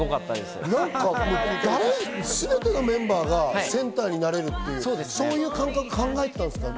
全てのメンバーがセンターになれる、そういう感覚で考えてたんですか？